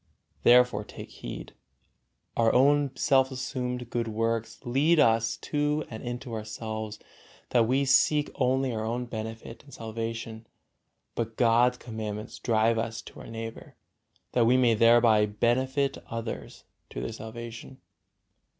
Therefore take heed: our own self assumed good works lead us to and into ourselves, that we seek only our own benefit and salvation; but God's commandments drive us to our neighbor, that we may thereby benefit others to their salvation.